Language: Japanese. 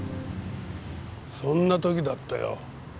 そんな時だったよ